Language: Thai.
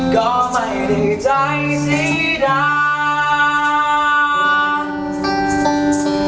ก็ไม่ได้ใจสีดำ